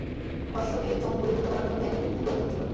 অশ্বকে ইচ্ছামত ঘুরিয়ে যুদ্ধ করার জন্য জায়গাটি মোটেও উপযুক্ত ছিল না।